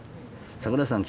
「桜井さん